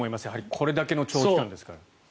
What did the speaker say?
これだけの長期間ですから。